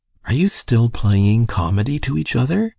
Are you still playing comedy to each other?